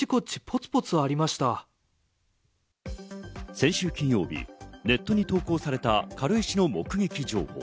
先週金曜日、ネットに投稿された軽石の目撃情報。